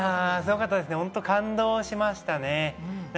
本当、感動しましたね。